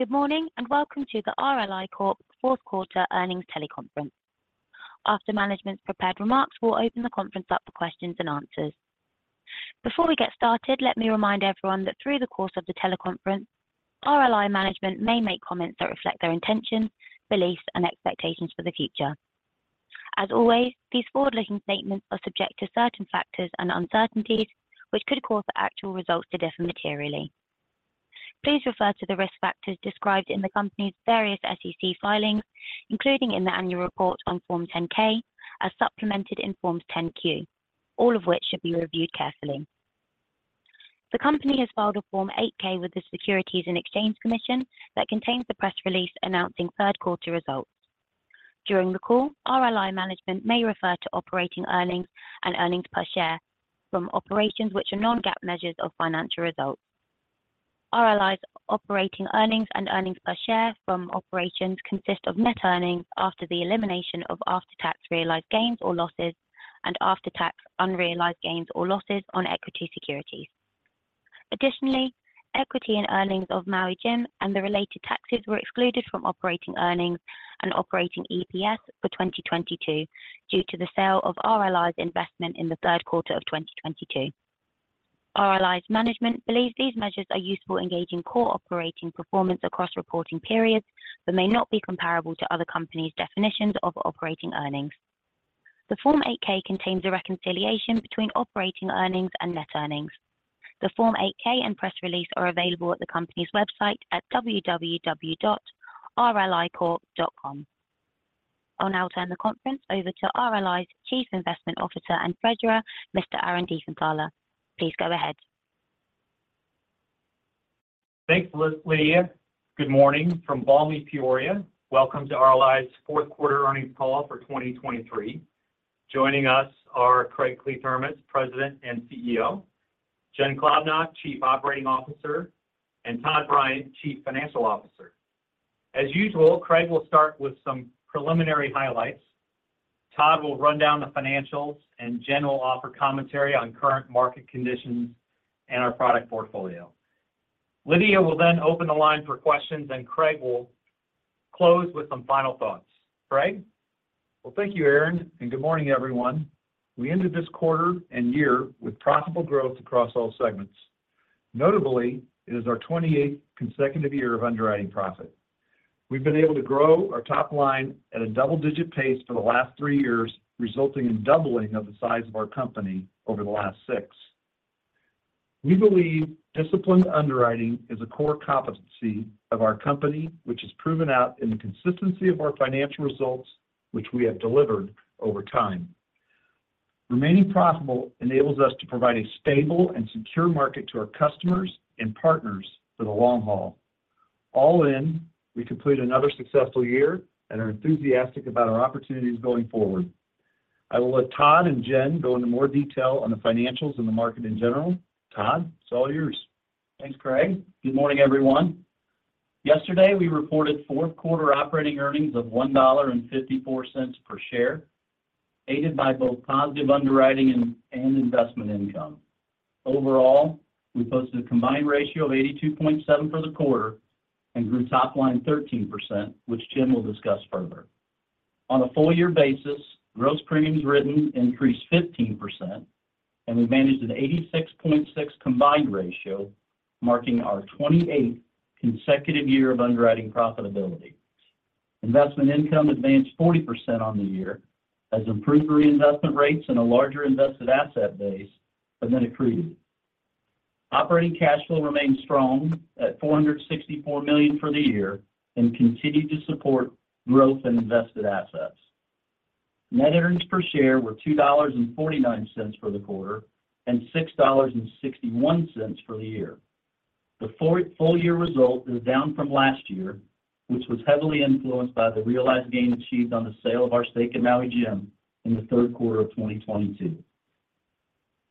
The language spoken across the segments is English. Good morning, and welcome to the RLI Corp.'s fourth quarter earnings teleconference. After management's prepared remarks, we'll open the conference up for questions and answers. Before we get started, let me remind everyone that through the course of the teleconference, RLI management may make comments that reflect their intentions, beliefs, and expectations for the future. As always, these forward-looking statements are subject to certain factors and uncertainties, which could cause the actual results to differ materially. Please refer to the risk factors described in the company's various SEC filings, including in the annual report on Form 10-K, as supplemented in Forms 10-Q, all of which should be reviewed carefully. The company has filed a Form 8-K with the Securities and Exchange Commission that contains the press release announcing third quarter results. During the call, RLI management may refer to operating earnings and earnings per share from operations which are non-GAAP measures of financial results. RLI's operating earnings and earnings per share from operations consist of net earnings after the elimination of after-tax realized gains or losses and after-tax unrealized gains or losses on equity securities. Additionally, equity and earnings of Maui Jim and the related taxes were excluded from operating earnings and operating EPS for 2022 due to the sale of RLI's investment in the third quarter of 2022. RLI's management believes these measures are useful in gauging core operating performance across reporting periods, but may not be comparable to other companies' definitions of operating earnings. The Form 8-K contains a reconciliation between operating earnings and net earnings. The Form 8-K and press release are available at the company's website at www.rlicorp.com. I'll now turn the conference over to RLI's Chief Investment Officer and Treasurer, Mr. Aaron Diefenthaler. Please go ahead. Thanks, Lydia. Good morning from balmy Peoria. Welcome to RLI's fourth quarter earnings call for 2023. Joining us are Craig Kliethermes, President and CEO; Jen Klobnak, Chief Operating Officer; and Todd Bryant, Chief Financial Officer. As usual, Craig will start with some preliminary highlights. Todd will run down the financials, and Jen will offer commentary on current market conditions and our product portfolio. Lydia will then open the line for questions, and Craig will close with some final thoughts. Craig? Well, thank you, Aaron, and good morning, everyone. We ended this quarter and year with profitable growth across all segments. Notably, it is our 28th consecutive year of underwriting profit. We've been able to grow our top line at a double-digit pace for the last three years, resulting in doubling of the size of our company over the last six. We believe disciplined underwriting is a core competency of our company, which is proven out in the consistency of our financial results, which we have delivered over time. Remaining profitable enables us to provide a stable and secure market to our customers and partners for the long haul. All in, we completed another successful year and are enthusiastic about our opportunities going forward. I will let Todd and Jen go into more detail on the financials and the market in general. Todd, it's all yours. Thanks, Craig. Good morning, everyone. Yesterday, we reported fourth quarter operating earnings of $1.54 per share, aided by both positive underwriting and investment income. Overall, we posted a combined ratio of 82.7 for the quarter and grew top line 13%, which Jen will discuss further. On a full year basis, gross premiums written increased 15%, and we managed an 86.6 combined ratio, marking our 28th consecutive year of underwriting profitability. Investment income advanced 40% on the year as improved reinvestment rates and a larger invested asset base have been accretive. Operating cash flow remained strong at $464 million for the year and continued to support growth in invested assets. Net earnings per share were $2.49 for the quarter and $6.61 for the year. The full year result is down from last year, which was heavily influenced by the realized gain achieved on the sale of our stake in Maui Jim in the third quarter of 2022.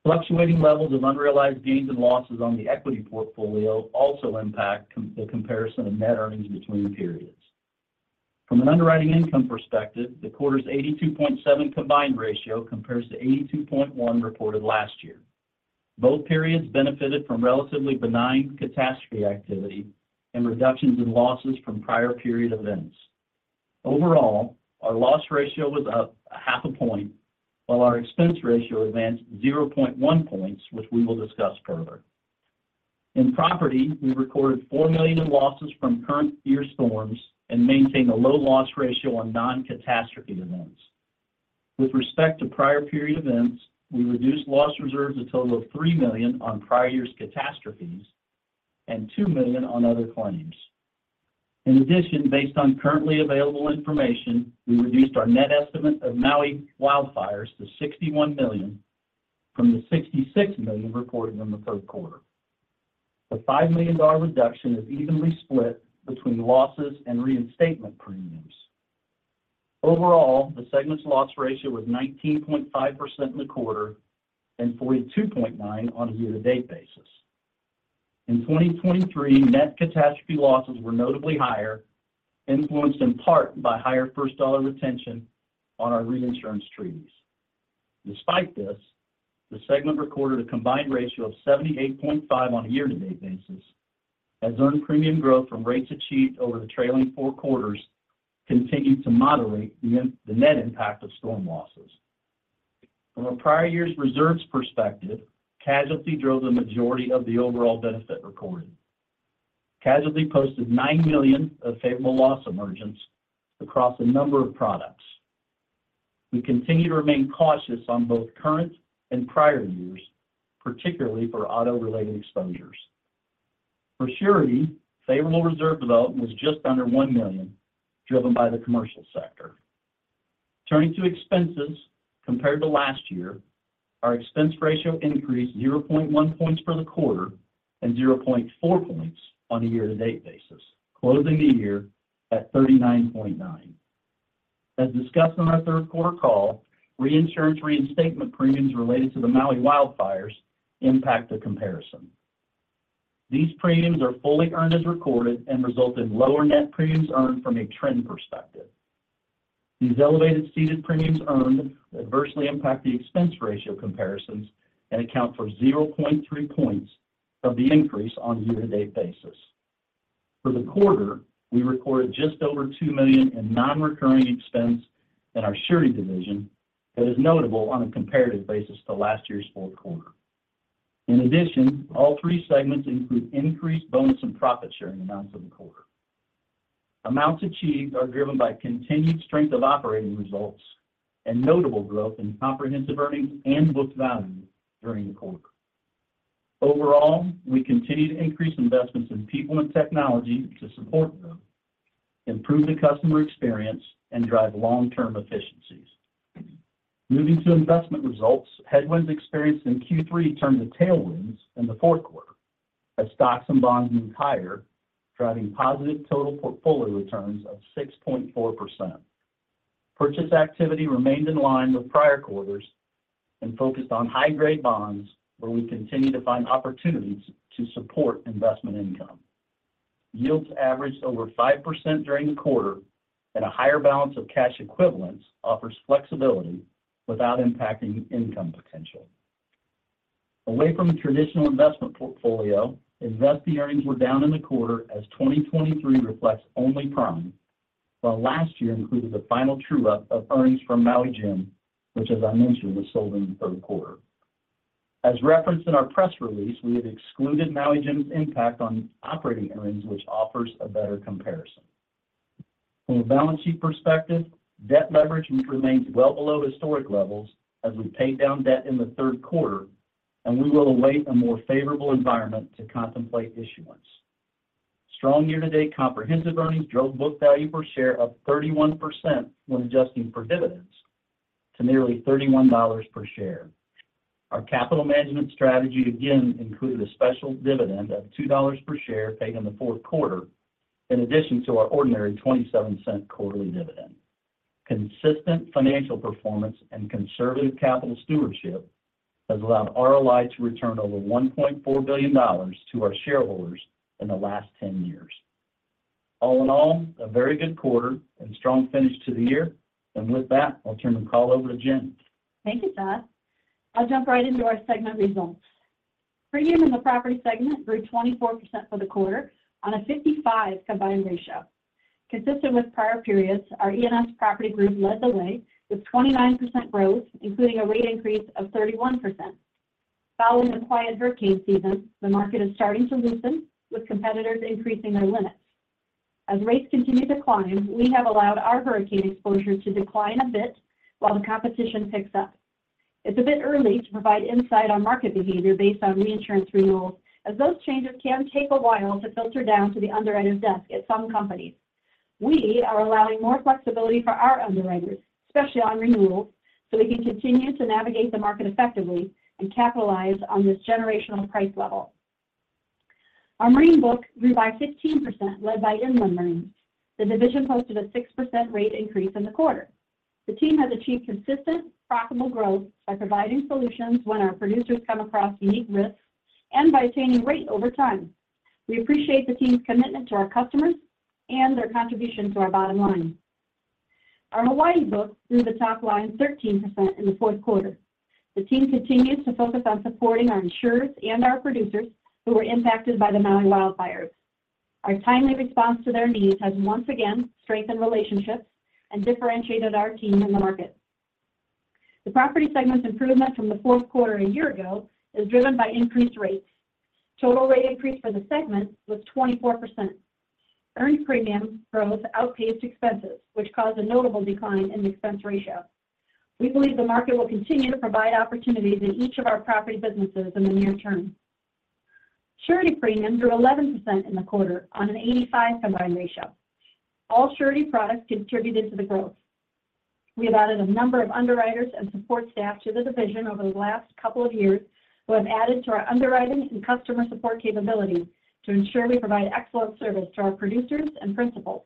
Fluctuating levels of unrealized gains and losses on the equity portfolio also impact the comparison of net earnings between periods. From an underwriting income perspective, the quarter's 82.7 combined ratio compares to 82.1 reported last year. Both periods benefited from relatively benign catastrophe activity and reductions in losses from prior period events. Overall, our loss ratio was up 0.5 point, while our expense ratio advanced 0.1 points, which we will discuss further. In property, we recorded $4 million in losses from current year storms and maintained a low loss ratio on non-catastrophe events. With respect to prior period events, we reduced loss reserves a total of $3 million on prior year's catastrophes and $2 million on other claims. In addition, based on currently available information, we reduced our net estimate of Maui wildfires to $61 million from the $66 million reported in the third quarter. The $5 million reduction is evenly split between losses and reinstatement premiums. Overall, the segment's loss ratio was 19.5% in the quarter and 42.9% on a year-to-date basis. In 2023, net catastrophe losses were notably higher, influenced in part by higher first dollar retention on our reinsurance treaties. Despite this, the segment recorded a combined ratio of 78.5% on a year-to-date basis, as earned premium growth from rates achieved over the trailing four quarters continued to moderate the net impact of storm losses. From a prior year's reserves perspective, Casualty drove the majority of the overall benefit recorded. Casualty posted $9 million of favorable loss emergence across a number of products. We continue to remain cautious on both current and prior years, particularly for auto-related exposures. For Surety, favorable reserve development was just under $1 million, driven by the commercial sector. Turning to expenses, compared to last year, our expense ratio increased 0.1 points for the quarter and 0.4 points on a year-to-date basis, closing the year at 39.9%. As discussed on our third quarter call, reinsurance reinstatement premiums related to the Maui wildfires impact the comparison. These premiums are fully earned as recorded and result in lower net premiums earned from a trend perspective. These elevated ceded premiums earned adversely impact the expense ratio comparisons and account for 0.3 points of the increase on a year-to-date basis. For the quarter, we recorded just over $2 million in non-recurring expense in our Surety division. That is notable on a comparative basis to last year's fourth quarter. In addition, all three segments include increased bonus and profit sharing amounts in the quarter. Amounts achieved are driven by continued strength of operating results and notable growth in comprehensive earnings and book value during the quarter. Overall, we continue to increase investments in people and technology to support them, improve the customer experience, and drive long-term efficiencies. Moving to investment results, headwinds experienced in Q3 turned to tailwinds in the fourth quarter as stocks and bonds moved higher, driving positive total portfolio returns of 6.4%. Purchase activity remained in line with prior quarters and focused on high-grade bonds, where we continue to find opportunities to support investment income. Yields averaged over 5% during the quarter, and a higher balance of cash equivalents offers flexibility without impacting income potential. Away from a traditional investment portfolio, investment earnings were down in the quarter as 2023 reflects only Prime, while last year included the final true up of earnings from Maui Jim, which, as I mentioned, was sold in the third quarter. As referenced in our press release, we have excluded Maui Jim's impact on operating earnings, which offers a better comparison. From a balance sheet perspective, debt leverage remains well below historic levels as we pay down debt in the third quarter, and we will await a more favorable environment to contemplate issuance. Strong year-to-date comprehensive earnings drove book value per share of 31% when adjusting for dividends to nearly $31 per share. Our capital management strategy again included a special dividend of $2 per share paid in the fourth quarter, in addition to our ordinary 27-cent quarterly dividend. Consistent financial performance and conservative capital stewardship has allowed RLI to return over $1.4 billion to our shareholders in the last 10 years. All in all, a very good quarter and strong finish to the year. And with that, I'll turn the call over to Jen. Thank you, Todd. I'll jump right into our segment results. Premium in the property segment grew 24% for the quarter on a 55 combined ratio. Consistent with prior periods, our E&S Property group led the way with 29% growth, including a rate increase of 31%. Following a quiet hurricane season, the market is starting to loosen, with competitors increasing their limits. As rates continue to climb, we have allowed our hurricane exposure to decline a bit while the competition picks up. It's a bit early to provide insight on market behavior based on reinsurance renewals, as those changes can take a while to filter down to the underwriter's desk at some companies. We are allowing more flexibility for our underwriters, especially on renewals, so we can continue to navigate the market effectively and capitalize on this generational price level. Our Marine book grew by 15%, led by Inland Marine. The division posted a 6% rate increase in the quarter. The team has achieved consistent, profitable growth by providing solutions when our producers come across unique risks and by attaining rate over time. We appreciate the team's commitment to our customers and their contribution to our bottom line. Our Hawaii book grew the top line 13% in the fourth quarter. The team continues to focus on supporting our insurers and our producers who were impacted by the Maui wildfires. Our timely response to their needs has once again strengthened relationships and differentiated our team in the market. The property segment's improvement from the fourth quarter a year ago is driven by increased rates. Total rate increase for the segment was 24%. Earned premiums growth outpaced expenses, which caused a notable decline in the expense ratio. We believe the market will continue to provide opportunities in each of our property businesses in the near term. Surety premiums are up 11% in the quarter on an 85 combined ratio. All Surety products contributed to the growth. We have added a number of underwriters and support staff to the division over the last couple of years, who have added to our underwriting and customer support capability to ensure we provide excellent service to our producers and principals.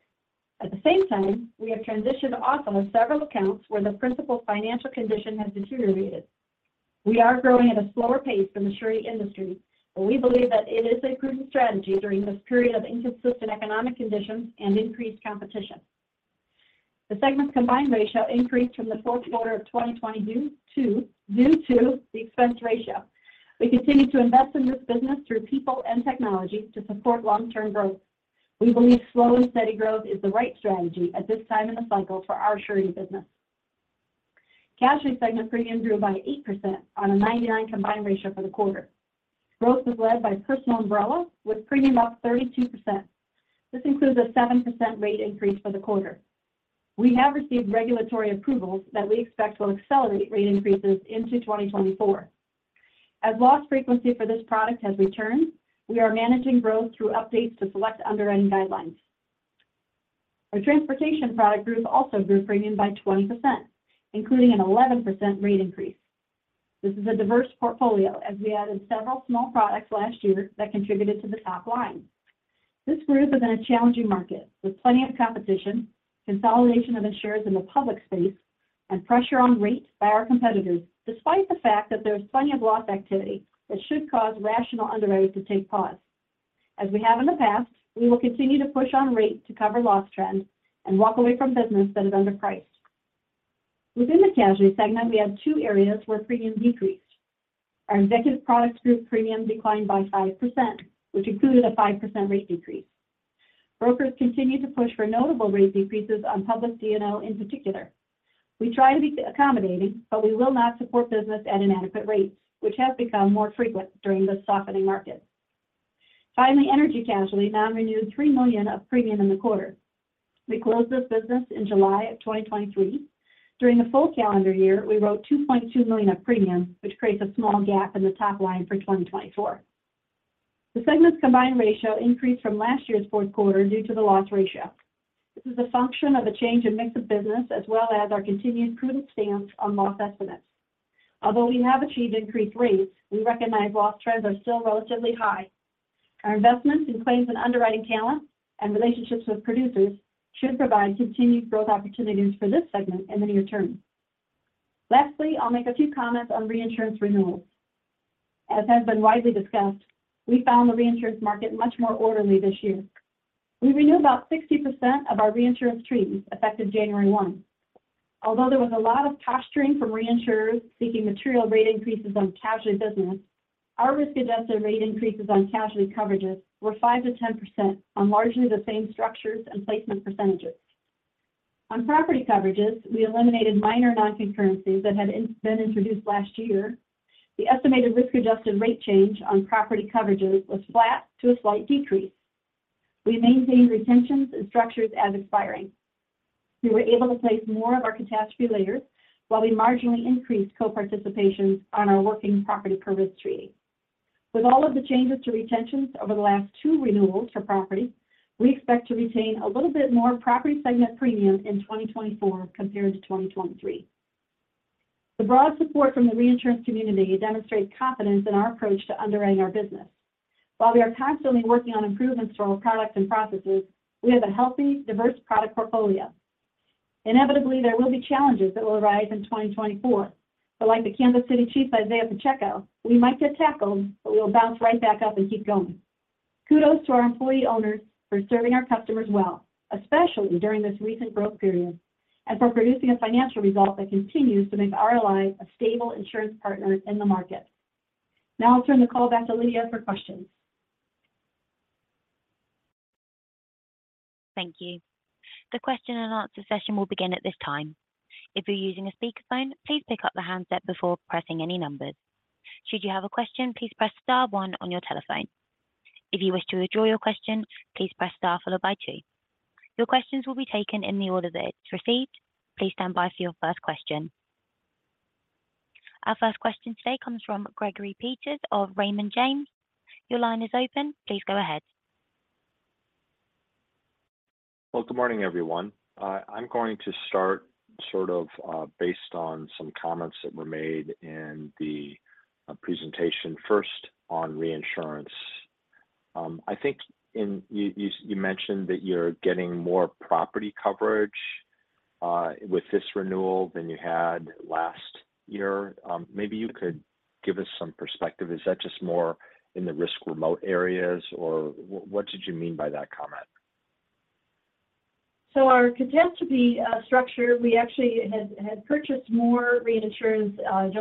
At the same time, we have transitioned off of several accounts where the principal's financial condition has deteriorated.... We are growing at a slower pace than the surety industry, but we believe that it is a prudent strategy during this period of inconsistent economic conditions and increased competition. The segment's combined ratio increased from the fourth quarter of 2020 due to, due to the expense ratio. We continue to invest in this business through people and technology to support long-term growth. We believe slow and steady growth is the right strategy at this time in the cycle for our surety business. Casualty segment premium grew by 8% on a 99 combined ratio for the quarter. Growth was led by Personal Umbrella, with premium up 32%. This includes a 7% rate increase for the quarter. We have received regulatory approvals that we expect will accelerate rate increases into 2024. As loss frequency for this product has returned, we are managing growth through updates to select underwriting guidelines. Our Transportation product group also grew premium by 20%, including an 11% rate increase. This is a diverse portfolio, as we added several small products last year that contributed to the top line. This group is in a challenging market, with plenty of competition, consolidation of insurers in the public space, and pressure on rate by our competitors, despite the fact that there's plenty of loss activity that should cause rational underwriters to take pause. As we have in the past, we will continue to push on rate to cover loss trends and walk away from business that is underpriced. Within the casualty segment, we have two areas where premium decreased. Our Executive Products Group premium declined by 5%, which included a 5% rate decrease. Brokers continued to push for notable rate decreases on Public D&O in particular. We try to be accommodating, but we will not support business at inadequate rates, which has become more frequent during this softening market. Finally, Energy Casualty non-renewed $3 million of premium in the quarter. We closed this business in July of 2023. During the full calendar year, we wrote $2.2 million of premium, which creates a small gap in the top line for 2024. The segment's combined ratio increased from last year's fourth quarter due to the loss ratio. This is a function of the change in mix of business as well as our continued prudent stance on loss estimates. Although we have achieved increased rates, we recognize loss trends are still relatively high. Our investments in claims and underwriting talent and relationships with producers should provide continued growth opportunities for this segment in the near term. Lastly, I'll make a few comments on reinsurance renewals. As has been widely discussed, we found the reinsurance market much more orderly this year. We renewed about 60% of our reinsurance treaties effective January 1. Although there was a lot of posturing from reinsurers seeking material rate increases on casualty business, our risk-adjusted rate increases on casualty coverages were 5%-10% on largely the same structures and placement percentages. On property coverages, we eliminated minor non-concurrencies that had been introduced last year. The estimated risk-adjusted rate change on property coverages was flat to a slight decrease. We maintained retentions and structures as expiring. We were able to place more of our catastrophe layers, while we marginally increased co-participations on our working property per risk treaty. With all of the changes to retentions over the last two renewals for property, we expect to retain a little bit more property segment premium in 2024 compared to 2023. The broad support from the reinsurance community demonstrates confidence in our approach to underwriting our business. While we are constantly working on improvements to our products and processes, we have a healthy, diverse product portfolio. Inevitably, there will be challenges that will arise in 2024, but like the Kansas City Chiefs' Isiah Pacheco, we might get tackled, but we'll bounce right back up and keep going. Kudos to our employee owners for serving our customers well, especially during this recent growth period, and for producing a financial result that continues to make RLI a stable insurance partner in the market. Now I'll turn the call back to Lydia for questions. Thank you. The question and answer session will begin at this time. If you're using a speakerphone, please pick up the handset before pressing any numbers. Should you have a question, please press star one on your telephone. If you wish to withdraw your question, please press star followed by two. Your questions will be taken in the order they are received. Please stand by for your first question. Our first question today comes from Gregory Peters of Raymond James. Your line is open. Please go ahead. Well, good morning, everyone. I'm going to start sort of based on some comments that were made in the presentation. First, on reinsurance. I think you mentioned that you're getting more property coverage with this renewal than you had last year. Maybe you could give us some perspective. Is that just more in the risk-remote areas, or what did you mean by that comment? So our catastrophe structure, we actually had purchased more reinsurance on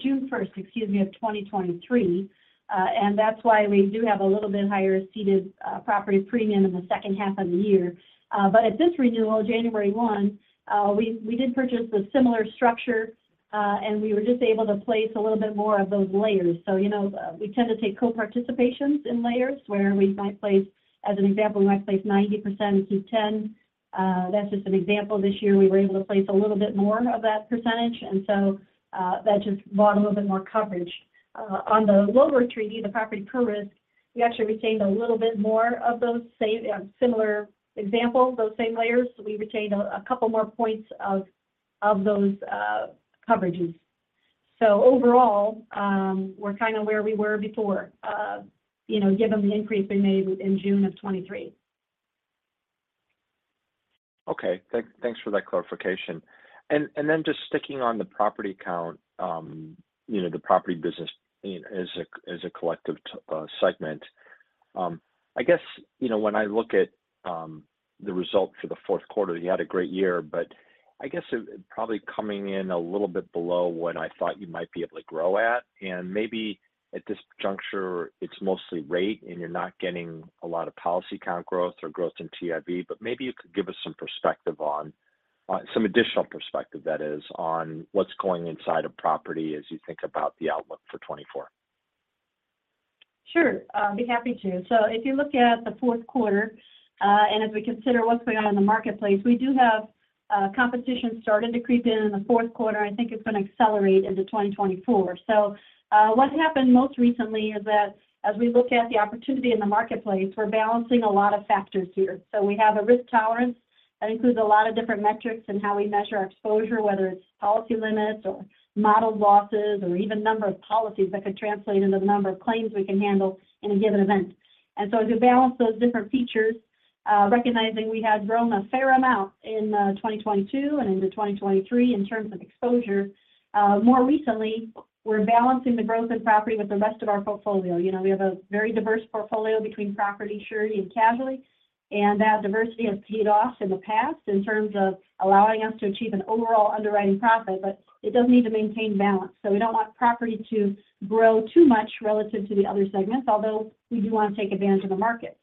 June 1st, excuse me, of 2023. And that's why we do have a little bit higher ceded property premium in the second half of the year. But at this renewal, January 1, we did purchase a similar structure, and we were just able to place a little bit more of those layers. So, you know, we tend to take co-participations in layers, where we might place, as an example, we might place 90% to 10%. That's just an example. This year, we were able to place a little bit more of that percentage, and so, that just bought a little bit more coverage. On the lower treaty, the property per risk, we actually retained a little bit more of those same similar examples, those same layers. So we retained a couple more points of those coverages. So overall, we're kind of where we were before, you know, given the increase we made in June of 2023. Okay, thanks for that clarification. Then just sticking on the property count, you know, the property business, you know, as a collective segment. I guess, you know, when I look at the results for the fourth quarter, you had a great year, but I guess it probably coming in a little bit below what I thought you might be able to grow at. And maybe at this juncture, it's mostly rate, and you're not getting a lot of policy count growth or growth in TIV. But maybe you could give us some perspective on some additional perspective that is on what's going inside of property as you think about the outlook for 2024. Sure, I'll be happy to. So if you look at the fourth quarter, and as we consider what's going on in the marketplace, we do have, competition starting to creep in in the fourth quarter. I think it's going to accelerate into 2024. So, what happened most recently is that as we look at the opportunity in the marketplace, we're balancing a lot of factors here. So we have a risk tolerance that includes a lot of different metrics in how we measure our exposure, whether it's policy limits or modeled losses, or even number of policies that could translate into the number of claims we can handle in a given event. As you balance those different features, recognizing we had grown a fair amount in 2022 and into 2023 in terms of exposure, more recently, we're balancing the growth and property with the rest of our portfolio. You know, we have a very diverse portfolio between property, surety, and casualty, and that diversity has paid off in the past in terms of allowing us to achieve an overall underwriting profit, but it does need to maintain balance. So we don't want property to grow too much relative to the other segments, although we do want to take advantage of the market.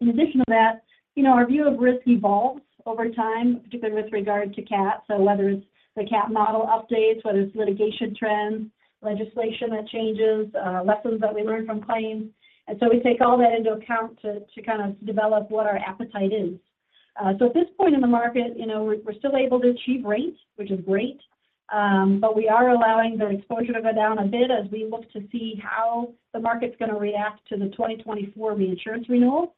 In addition to that, you know, our view of risk evolves over time, particularly with regard to CAT. So whether it's the CAT model updates, whether it's litigation trends, legislation that changes, lessons that we learn from claims, and so we take all that into account to kind of develop what our appetite is. So at this point in the market, you know, we're still able to achieve rates, which is great, but we are allowing the exposure to go down a bit as we look to see how the market's going to react to the 2024 reinsurance renewals.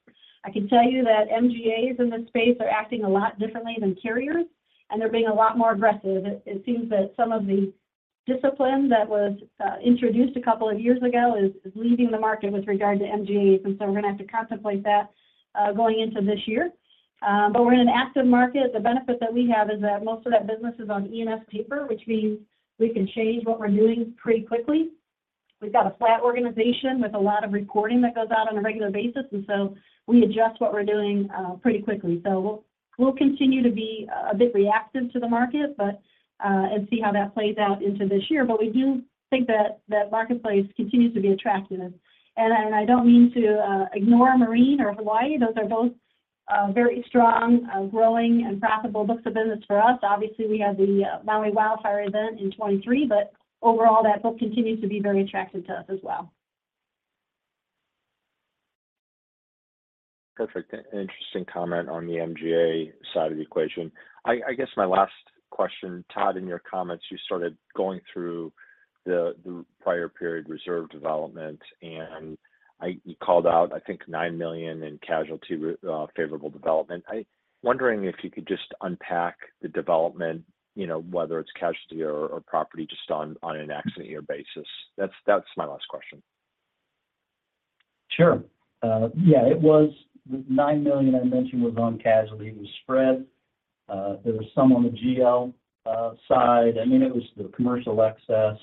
I can tell you that MGAs in this space are acting a lot differently than carriers, and they're being a lot more aggressive. It seems that some of the discipline that was introduced a couple of years ago is leaving the market with regard to MGAs, and so we're going to have to contemplate that, going into this year. But we're in an active market. The benefit that we have is that most of that business is on E&S paper, which means we can change what we're doing pretty quickly. We've got a flat organization with a lot of reporting that goes out on a regular basis, and so we adjust what we're doing pretty quickly. So we'll continue to be a bit reactive to the market, but and see how that plays out into this year. But we do think that that marketplace continues to be attractive. And I don't mean to ignore Marine or Hawaii. Those are both very strong growing and profitable books of business for us. Obviously, we had the Maui wildfire event in 2023, but overall, that book continues to be very attractive to us as well. Perfect. An interesting comment on the MGA side of the equation. I guess my last question, Todd, in your comments, you started going through the prior period reserve development, and I... You called out, I think, $9 million in casualty, favorable development. I'm wondering if you could just unpack the development, you know, whether it's casualty or property, just on an accident year basis. That's my last question. Sure. Yeah, it was the $9 million I mentioned was on casualty. It was spread. There was some on the GL side. I mean, it was the Commercial Excess,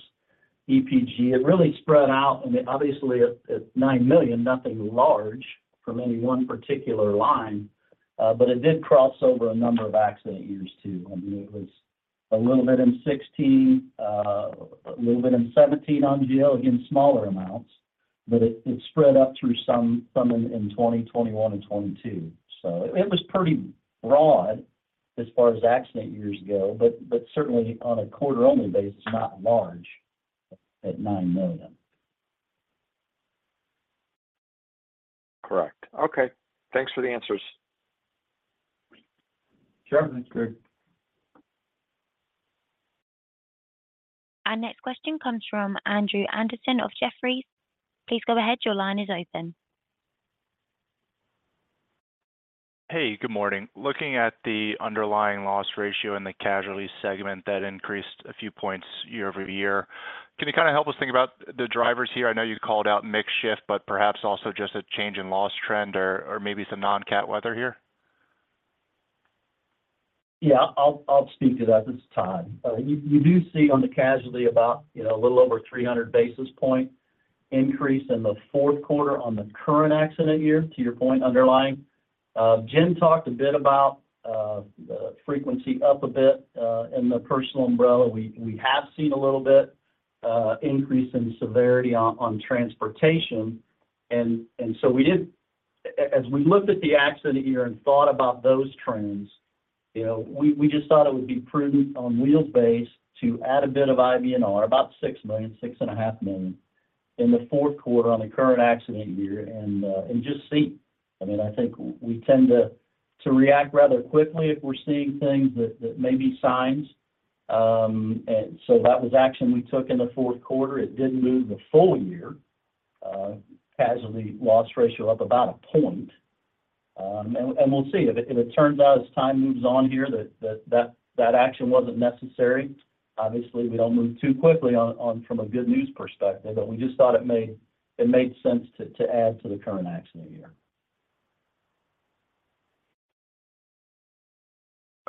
EPG. It really spread out, and obviously, it, it's $9 million, nothing large from any one particular line, but it did cross over a number of accident years, too. I mean, it was a little bit in 2016, a little bit in 2017 on GL, again, smaller amounts, but it spread up through some in 2021 and 2022. So it was pretty broad as far as accident years go, but certainly on a quarter-only basis, it's not large at $9 million. Correct. Okay, thanks for the answers. Sure, that's good. Our next question comes from Andrew Andersen of Jefferies. Please go ahead. Your line is open. Hey, good morning. Looking at the underlying loss ratio in the casualty segment, that increased a few points year-over-year. Can you kind of help us think about the drivers here? I know you called out mix shift, but perhaps also just a change in loss trend or, or maybe some non-CAT weather here? Yeah, I'll, I'll speak to that. This is Todd. You do see on the casualty about, you know, a little over 300 basis points increase in the fourth quarter on the current accident year, to your point, underlying. Jen talked a bit about the frequency up a bit in the Personal Umbrella. We have seen a little bit increase in severity on transportation. And so we did. As we looked at the accident year and thought about those trends, you know, we just thought it would be prudent on wholesale to add a bit of IBNR, about $6 million, $6.5 million, in the fourth quarter on the current accident year and just see. I mean, I think we tend to react rather quickly if we're seeing things that may be signs. And so that was action we took in the fourth quarter. It did move the full year casualty loss ratio up about a point. And we'll see. If it turns out as time moves on here, that action wasn't necessary, obviously, we don't move too quickly on from a good news perspective, but we just thought it made sense to add to the current accident year.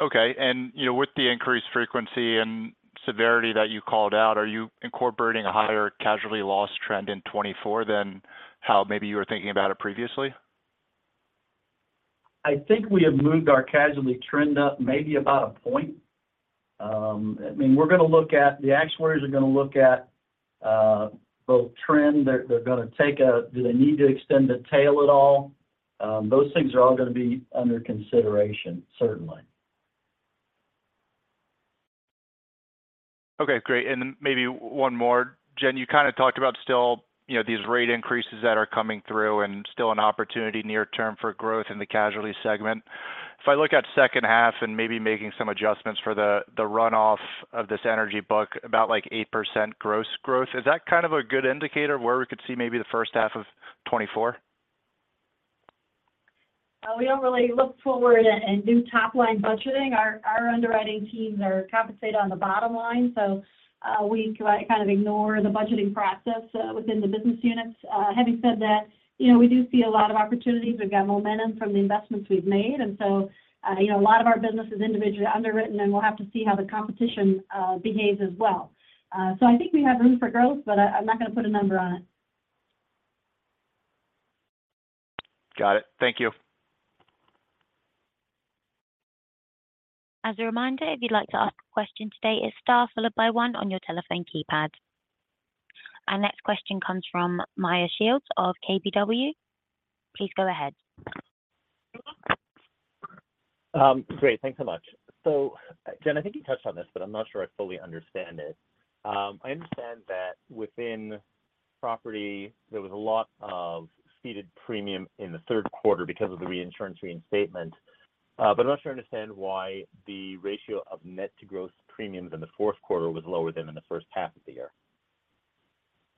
Okay, and, you know, with the increased frequency and severity that you called out, are you incorporating a higher casualty loss trend in 2024 than how maybe you were thinking about it previously? I think we have moved our casualty trend up maybe about a point. I mean, the actuaries are going to look at both trend. They're going to take a, do they need to extend the tail at all? Those things are all going to be under consideration, certainly. Okay, great. And then maybe one more. Jen, you kind of talked about still, you know, these rate increases that are coming through and still an opportunity near term for growth in the casualty segment. If I look at second half and maybe making some adjustments for the runoff of this energy book, about like 8% gross growth, is that kind of a good indicator of where we could see maybe the first half of 2024? We don't really look forward and do top-line budgeting. Our underwriting teams are compensated on the bottom line, so we kind of ignore the budgeting process within the business units. Having said that, you know, we do see a lot of opportunities. We've got momentum from the investments we've made, and so, you know, a lot of our business is individually underwritten, and we'll have to see how the competition behaves as well. So I think we have room for growth, but I'm not going to put a number on it. Got it. Thank you. As a reminder, if you'd like to ask a question today, it's star followed by one on your telephone keypad. Our next question comes from Meyer Shields of KBW. Please go ahead. Great. Thanks so much. So, Jen, I think you touched on this, but I'm not sure I fully understand it. I understand that within property, there was a lot of ceded premium in the third quarter because of the reinsurance reinstatement, but I'm not sure I understand why the ratio of net to gross premiums in the fourth quarter was lower than in the first half of the year?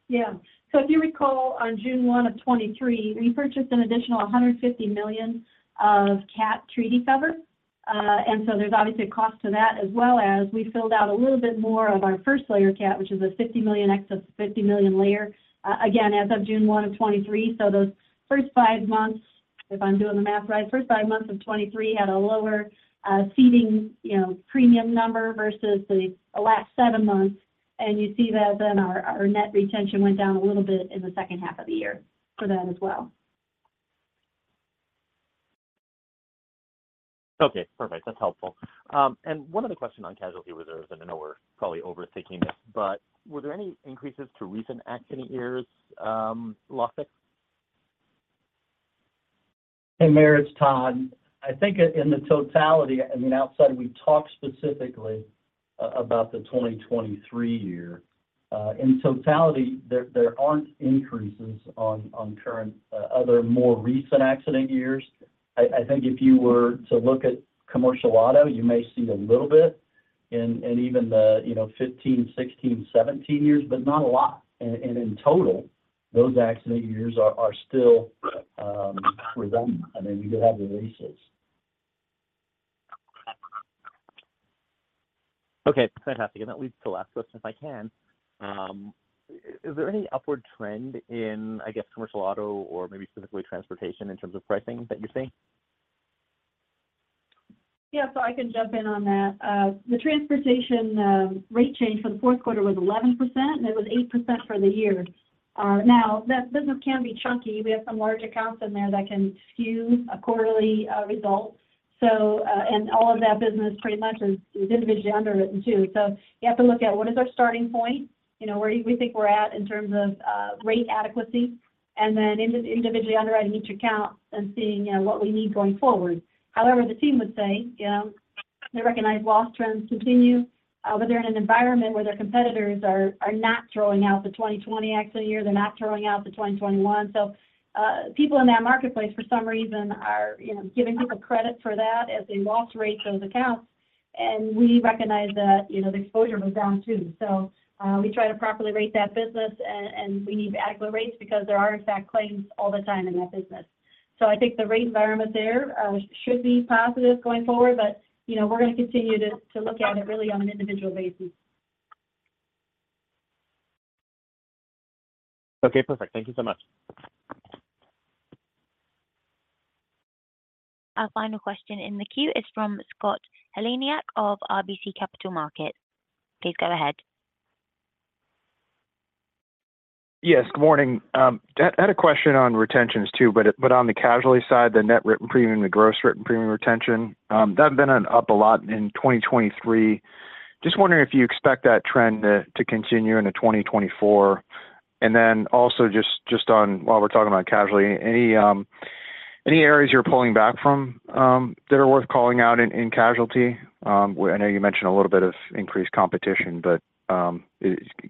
Yeah. So if you recall, on June 1, 2023, we purchased an additional $150 million of cat treaty cover. And so there's obviously a cost to that, as well as we filled out a little bit more of our first layer cat, which is a $50 million excess, $50 million layer, again, as of June 1, 2023. So those first five months, if I'm doing the math right, first five months of 2023 had a lower, ceding, you know, premium number versus the last seven months. And you see that then our, our net retention went down a little bit in the second half of the year for that as well. Okay, perfect. That's helpful. And one other question on casualty reserves, and I know we're probably overthinking this, but were there any increases to recent accident years, losses? Hey, Meyer, it's Todd. I think in the totality, I mean, outside, we talked specifically about the 2023 year. In totality, there aren't increases on current other more recent accident years. I think if you were to look at commercial auto, you may see a little bit in even the, you know, 15, 16, 17 years, but not a lot. And in total, those accident years are still predominant. I mean, you do have the reserves. Okay, fantastic. That leads to the last question, if I can. Is there any upward trend in, I guess, commercial auto or maybe specifically transportation in terms of pricing that you're seeing? Yeah, so I can jump in on that. The transportation rate change for the fourth quarter was 11%, and it was 8% for the year. Now, that business can be chunky. We have some large accounts in there that can skew a quarterly result. So, and all of that business pretty much is individually underwritten, too. So you have to look at what is our starting point, you know, where we think we're at in terms of rate adequacy, and then individually underwriting each account and seeing, you know, what we need going forward. However, the team would say, you know, they recognize loss trends continue, but they're in an environment where their competitors are not throwing out the 2020 accident year, they're not throwing out the 2021. So, people in that marketplace, for some reason, are, you know, giving people credit for that as they walk to rate those accounts, and we recognize that, you know, the exposure was down, too. So, we try to properly rate that business, and we need accurate rates because there are, in fact, claims all the time in that business. So I think the rate environment there, should be positive going forward, but, you know, we're going to continue to look at it really on an individual basis. Okay, perfect. Thank you so much. Our final question in the queue is from Scott Heleniak of RBC Capital Markets. Please go ahead. Yes, good morning. I had a question on retentions too, but on the casualty side, the net written premium, the gross written premium retention, that's been on up a lot in 2023. Just wondering if you expect that trend to continue into 2024. And then also just on, while we're talking about casualty, any areas you're pulling back from that are worth calling out in casualty? I know you mentioned a little bit of increased competition, but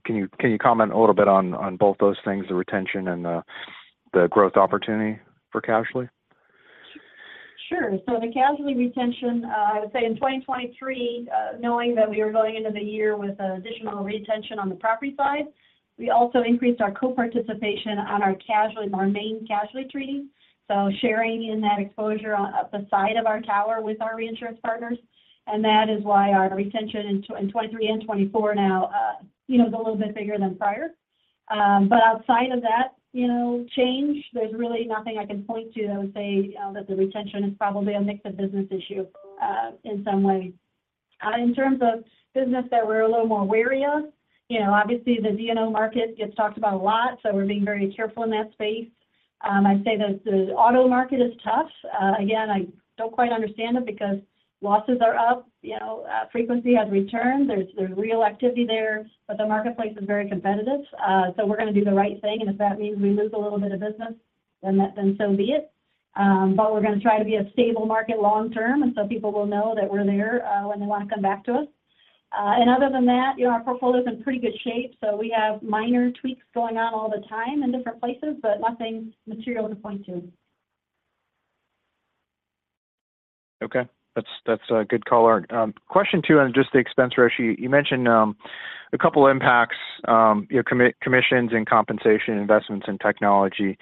can you comment a little bit on both those things, the retention and the growth opportunity for casualty? Sure. So the casualty retention, I would say in 2023, knowing that we were going into the year with additional retention on the property side, we also increased our co-participation on our casualty, our main casualty treaty, so sharing in that exposure on, up the side of our tower with our reinsurance partners. And that is why our retention in 2023 and 2024 now, you know, is a little bit bigger than prior. But outside of that, you know, change, there's really nothing I can point to that would say, that the retention is probably a mix of business issue, in some way. In terms of business that we're a little more wary of, you know, obviously the D&O market gets talked about a lot, so we're being very careful in that space. I'd say that the auto market is tough. Again, I don't quite understand it because losses are up, you know, frequency has returned. There's real activity there, but the marketplace is very competitive. So we're going to do the right thing, and if that means we lose a little bit of business, then that, so be it. But we're going to try to be a stable market long term, and so people will know that we're there, when they want to come back to us. And other than that, you know, our portfolio is in pretty good shape, so we have minor tweaks going on all the time in different places, but nothing material to point to. Okay. That's a good color. Question two on just the expense ratio. You mentioned a couple impacts, you know, commissions and compensation, investments in technology.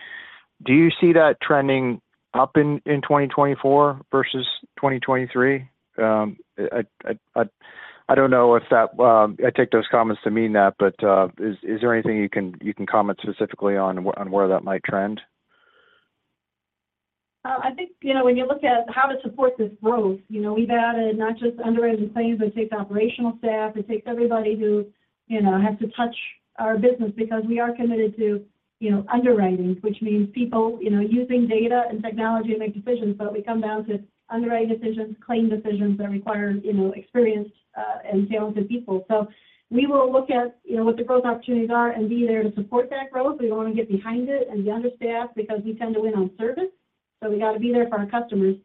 Do you see that trending up in 2024 versus 2023? I don't know if I take those comments to mean that, but is there anything you can comment specifically on where that might trend? I think, you know, when you look at how to support this growth, you know, we've added not just underwriting claims, but it takes operational staff, it takes everybody who, you know, has to touch our business because we are committed to, you know, underwriting, which means people, you know, using data and technology to make decisions. But we come down to underwriting decisions, claim decisions that require, you know, experienced, and talented people. So we will look at, you know, what the growth opportunities are and be there to support that growth. We don't want to get behind it and be understaffed because we tend to win on service, so we got to be there for our customers.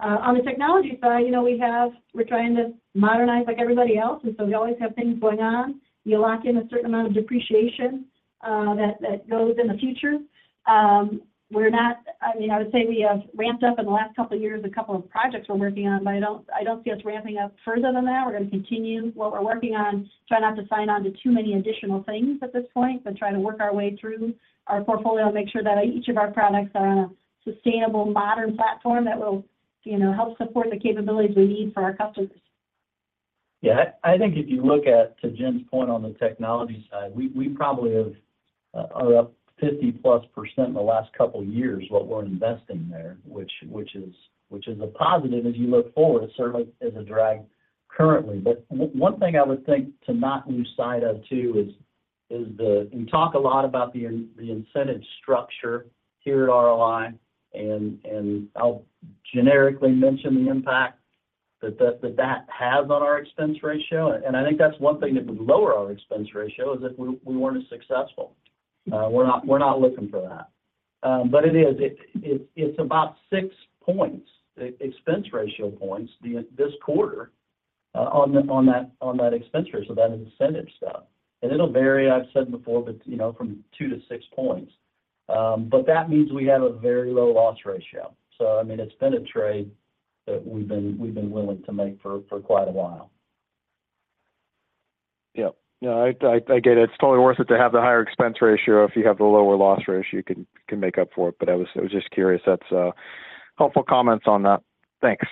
On the technology side, you know, we have, we're trying to modernize like everybody else, and so we always have things going on. You lock in a certain amount of depreciation that goes in the future. We're not... I mean, I would say we have ramped up in the last couple of years, a couple of projects we're working on, but I don't see us ramping up further than that. We're going to continue what we're working on, try not to sign on to too many additional things at this point, but try to work our way through our portfolio, make sure that each of our products are on a sustainable, modern platform that will, you know, help support the capabilities we need for our customers. Yeah, I think if you look at, to Jen's point on the technology side, we probably have, are up 50%+ in the last couple of years, what we're investing there, which is a positive as you look forward. It certainly is a drag currently. But one thing I would think to not lose sight of, too, is the... We talk a lot about the incentive structure here at RLI, and I'll generically mention the impact that that has on our expense ratio. And I think that's one thing that would lower our expense ratio, is if we weren't as successful. We're not looking for that. But it is, it's about six points, expense ratio points, this quarter, on that expense ratio, that incentive stuff. It'll vary, I've said before, but, you know, from two to six points. But that means we have a very low loss ratio. So, I mean, it's been a trade that we've been willing to make for quite a while. Yeah. Yeah, I get it. It's totally worth it to have the higher expense ratio if you have the lower loss ratio, you can make up for it. But I was just curious. That's helpful comments on that. Thanks.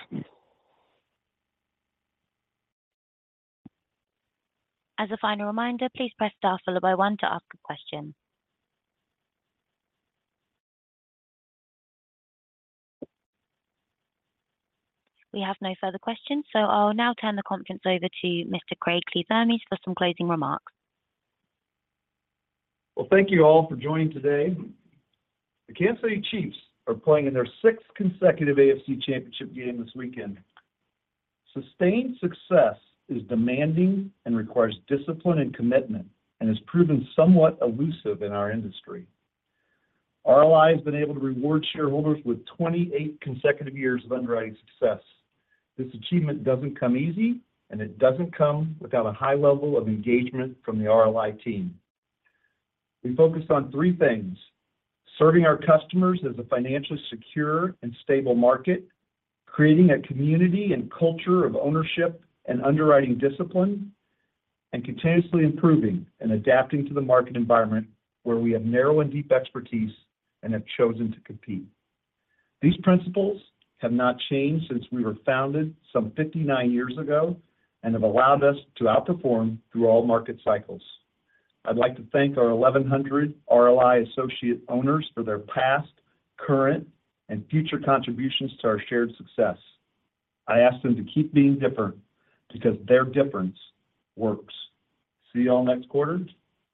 As a final reminder, please press star followed by one to ask a question. We have no further questions, so I'll now turn the conference over to Mr. Craig Kliethermes for some closing remarks. Well, thank you all for joining today. The Kansas City Chiefs are playing in their sixth consecutive AFC Championship game this weekend. Sustained success is demanding and requires discipline and commitment, and has proven somewhat elusive in our industry. RLI has been able to reward shareholders with 28 consecutive years of underwriting success. This achievement doesn't come easy, and it doesn't come without a high level of engagement from the RLI team. We focused on three things: serving our customers as a financially secure and stable market, creating a community and culture of ownership and underwriting discipline, and continuously improving and adapting to the market environment where we have narrow and deep expertise and have chosen to compete. These principles have not changed since we were founded some 59 years ago and have allowed us to outperform through all market cycles. I'd like to thank our 1,100 RLI associate owners for their past, current, and future contributions to our shared success. I ask them to keep being different, because their difference works. See you all next quarter,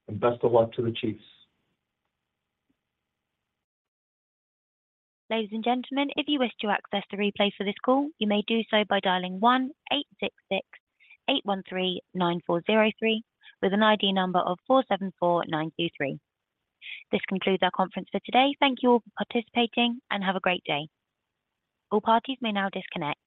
and best of luck to the Chiefs. Ladies and gentlemen, if you wish to access the replay for this call, you may do so by dialing 1-866-813-9403, with an ID number of 474923. This concludes our conference for today. Thank you all for participating, and have a great day. All parties may now disconnect.